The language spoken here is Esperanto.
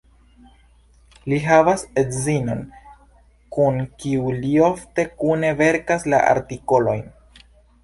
Li havas edzinon kun kiu li ofte kune verkas la artikolojn.